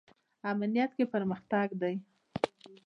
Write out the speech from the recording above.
امنیت کې پرمختګ دی